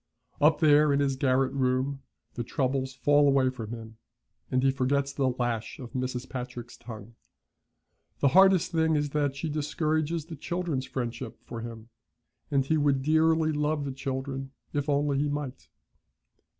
Up there in his garret room the troubles fall away from him, and he forgets the lash of Mrs. Patrick's tongue. The hardest thing is that she discourages the children's friendship for him, and he would dearly love the children if only he might.